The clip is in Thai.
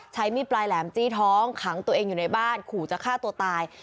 ใช้มีดปลายแหลมจี้ท้องขังตัวเองอยู่ในบ้านขู่จะฆ่าตัวตาย